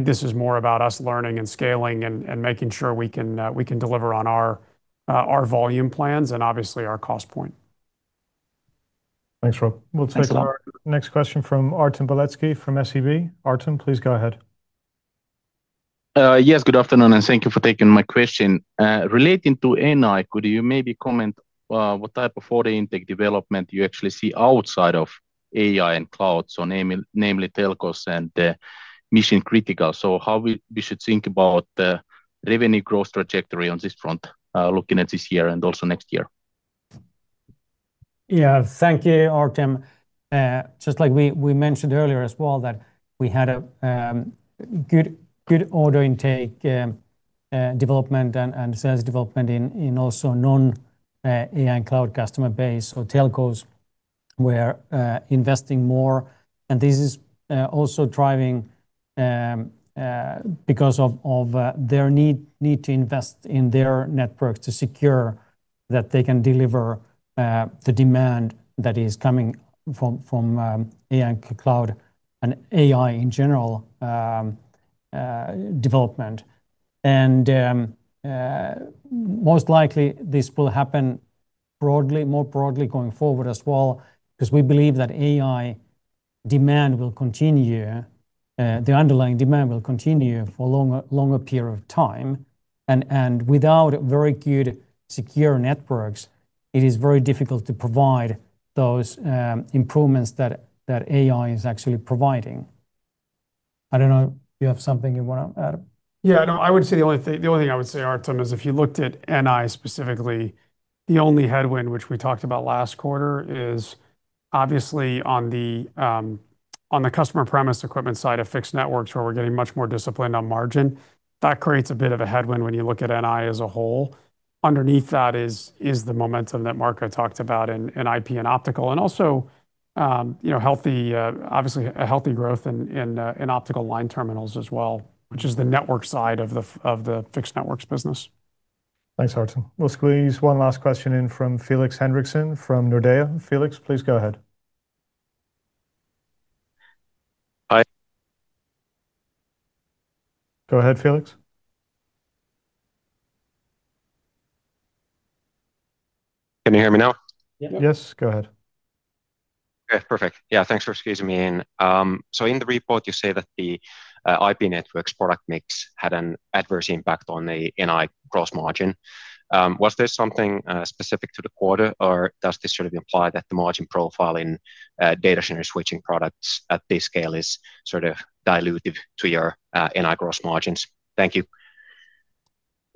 this is more about us learning and scaling and making sure we can deliver on our volume plans and obviously our cost point.
Thanks, Rob.
Thanks a lot.
We'll take our next question from Artem Beletski from SEB. Artem, please go ahead.
Yes, good afternoon, and thank you for taking my question. Relating to NI, could you maybe comment what type of order intake development you actually see outside of AI & Cloud, namely telcos and mission-critical? How we should think about the revenue growth trajectory on this front, looking at this year and also next year?
Yeah, thank you, Artem. Just like we mentioned earlier as well, that we had a good order intake development and sales development in also non-AI & Cloud customer base. Telcos were investing more, and this is also driving because of their need to invest in their network to secure that they can deliver the demand that is coming from AI & Cloud and AI in general development. Most likely, this will happen more broadly going forward as well because we believe that AI demand will continue, the underlying demand will continue for a longer period of time. Without very good secure networks, it is very difficult to provide those improvements that AI is actually providing. I don't know if you have something you want to add.
Yeah. No. The only thing I would say, Artem, is if you looked at NI specifically, the only headwind which we talked about last quarter is obviously on the customer premise equipment side of Fixed Networks, where we're getting much more disciplined on margin. That creates a bit of a headwind when you look at NI as a whole. Underneath that is the momentum that Marco talked about in IP and Optical and also obviously a healthy growth in Optical Line Terminals as well, which is the network side of the Fixed Networks business.
Thanks, Artem. We'll squeeze one last question in from Felix Henriksson from Nordea. Felix, please go ahead.
Hi
Go ahead, Felix.
Can you hear me now?
Yes, go ahead.
Okay, perfect. Yeah, thanks for squeezing me in. In the report, you say that the IP Networks product mix had an adverse impact on the NI gross margin. Was this something specific to the quarter, or does this sort of imply that the margin profile in data center switching products at this scale is sort of dilutive to your NI gross margins? Thank you.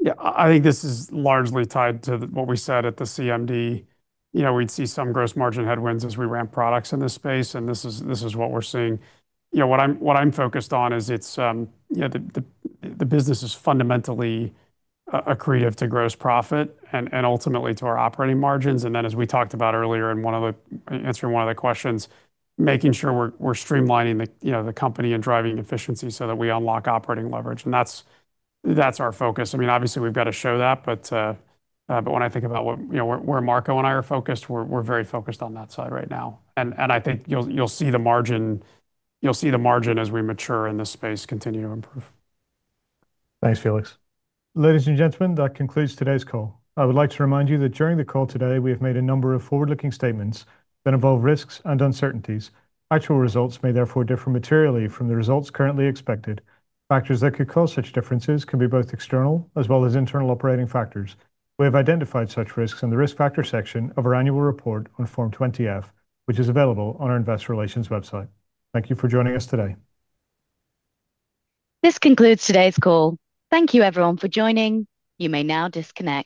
Yeah. I think this is largely tied to what we said at the CMD. We'd see some gross margin headwinds as we ramp products in this space, and this is what we're seeing. What I'm focused on is the business is fundamentally accretive to gross profit and ultimately to our operating margins. Then, as we talked about earlier in answering one of the questions, making sure we're streamlining the company and driving efficiency so that we unlock operating leverage. That's our focus. I mean, obviously, we've got to show that, when I think about where Marco and I are focused, we're very focused on that side right now. I think you'll see the margin as we mature in this space continue to improve.
Thanks, Felix. Ladies and gentlemen, that concludes today's call. I would like to remind you that during the call today, we have made a number of forward-looking statements that involve risks and uncertainties. Actual results may therefore differ materially from the results currently expected. Factors that could cause such differences could be both external as well as internal operating factors. We have identified such risks in the Risk Factors section of our annual report on Form 20-F, which is available on our investor relations website. Thank you for joining us today.
This concludes today's call. Thank you everyone for joining. You may now disconnect.